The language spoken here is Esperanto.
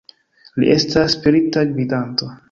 Li estas spirita gvidanto.